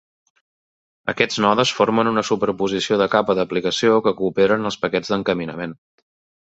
Aquests nodes formen una superposició de capa d'aplicació que coopera en els paquets d'encaminament.